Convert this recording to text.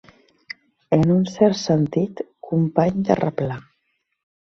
En un cert sentit, company de replà.